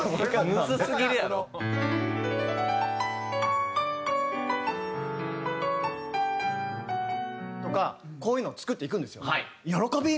ムズすぎるやろ。とかこういうのを作っていくんですよ。喜び！